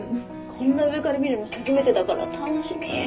こんな上から見るの初めてだから楽しみ！